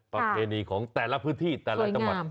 ประเพณีของแต่ละพื้นที่แต่ละจังหวัด